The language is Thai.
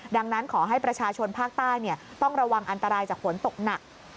ดังนั้นขอให้ประชาชนภาคใต้ต้องระวังอันตรายจากฝนตกหนัก